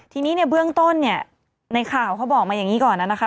ทีนี้เนี่ยเบื้องต้นเนี่ยในข่าวเขาบอกมาอย่างนี้ก่อนนะคะ